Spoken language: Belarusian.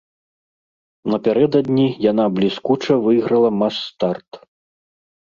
Напярэдадні яна бліскуча выйграла мас-старт.